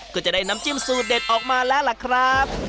ก็จะได้น้ำจิ้มสูตรเด็ดออกมาแล้วล่ะครับ